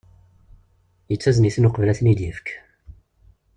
Yettazen-iten uqbel ad ten-id-yefk.